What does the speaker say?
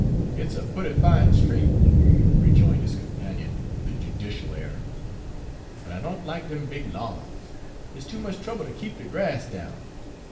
"It's a pootty fine street," rejoined his companion, with a judicial air, "but I don't like dem big lawns. It's too much trouble ter keep de grass down.